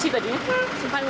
di perumahan jihad simpan lungsi